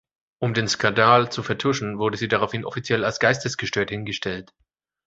Um den Skandal zu vertuschen, wurde sie daraufhin offiziell als geistesgestört hingestellt.